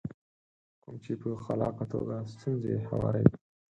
کوم چې په خلاقه توګه ستونزې هواروي.